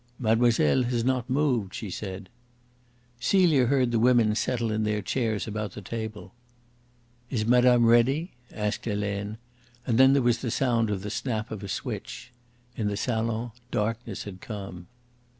"Mademoiselle has not moved," she said. Celia heard the women settle in their chairs about the table. "Is madame ready?" asked Helene; and then there was the sound of the snap of a switch. In the salon darkness had come.